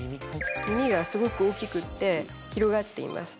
耳がすごく大きくて広がっています